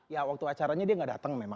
ya waktu acaranya dia nggak datang memang